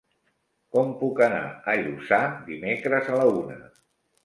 Com puc anar a Lluçà dimecres a la una?